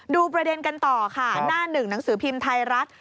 ดูประเด็นกันต่อค่ะหน้าหนึ่งหนังสือพิมพ์ไทยรัฐ